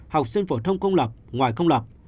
học sinh phổ thông công lập ngoài công lập